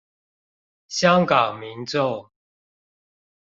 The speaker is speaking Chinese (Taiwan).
香港民眾